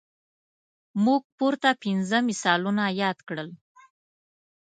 موږ پورته پنځه مثالونه یاد کړل.